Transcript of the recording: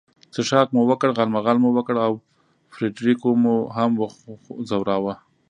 څښاک مو وکړ، غالمغال مو وکړ او فرېډریکو مو هم وځوراوه.